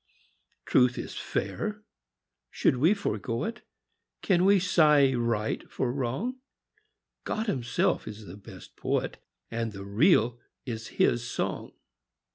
Truth is fair; should we forego it? Can we sigh right for a wrong ? God Himself is the best Poet, And the Real is His song.